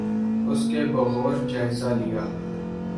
اس کا بغور جائزہ لیا۔